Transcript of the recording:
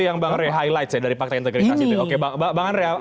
itu yang bang andre highlight dari pakta integritas itu bang andre